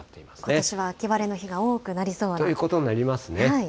ことしは秋晴れの日が多くなりそうな。ということになりますね。